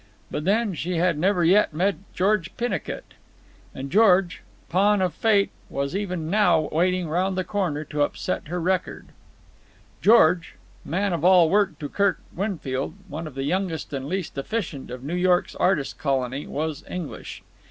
But then she had never yet met George Pennicut. And George, pawn of fate, was even now waiting round the corner to upset her record. George, man of all work to Kirk Winfield, one of the youngest and least efficient of New York's artist colony, was English.